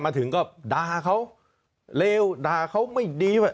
มาถึงก็ด่าเขาเลวด่าเขาไม่ดี